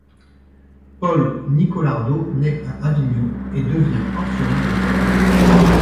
Paul Nicolardot naît à Avignon et devient orphelin de père.